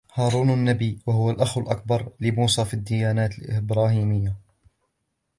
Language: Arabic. هارون نبي و هو الأخ الأكبر لموسى في الديانات الإبراهيمية.